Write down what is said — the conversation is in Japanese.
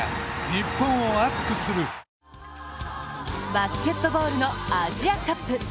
バスケットボールのアジアカップ。